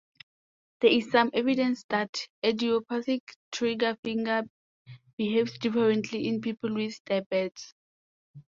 There is some evidence that idiopathic trigger finger behaves differently in people with diabetes.